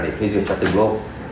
để phê duyệt cho từng lô